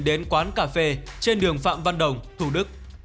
đến quán cà phê trên đường phạm văn đồng thủ đức